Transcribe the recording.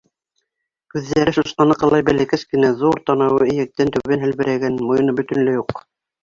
Күҙҙәре сусҡаныҡылай бәләкәс кенә, ҙур танауы эйәктән түбән һәлберәгән, муйыны бөтөнләй юҡ.